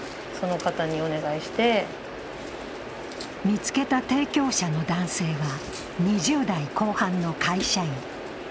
見つけた提供者の男性は２０代後半の会社員。